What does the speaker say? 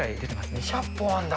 ２００本あんだ。